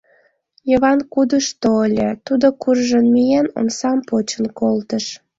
Йыван кудышто ыле, тудо, куржын миен, омсам почын колтыш.